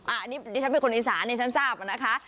อ่ะนี่ฉันเป็นคนอีสานฉันทราบนะคะ